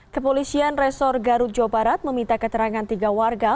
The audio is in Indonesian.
kepolisian resor garut jawa barat meminta keterangan tiga warga